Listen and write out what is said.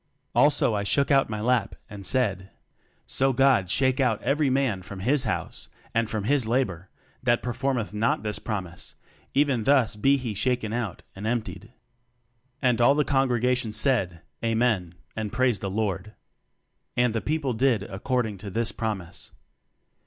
Also I shook out my lap, and said, So God shake out every man from his house, and from his labor, that performeth not this promise; even thus be he shaken out, and emptied. "And all the congregation said, Amen, and praised the Lord. "And the people did according to this promise."